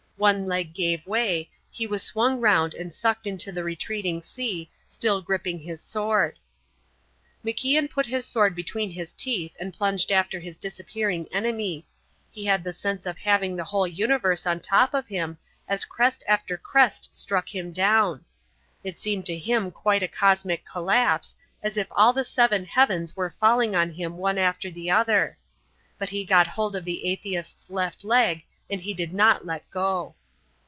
One leg gave way, he was swung round and sucked into the retreating sea, still gripping his sword. MacIan put his sword between his teeth and plunged after his disappearing enemy. He had the sense of having the whole universe on top of him as crest after crest struck him down. It seemed to him quite a cosmic collapse, as if all the seven heavens were falling on him one after the other. But he got hold of the atheist's left leg and he did not let it go.